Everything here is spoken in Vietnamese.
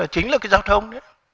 chính là cái giao thông